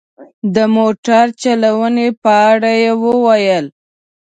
د موټر چلونې په اړه یې وویل.